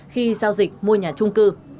khi giao dịch mua nhà trung cư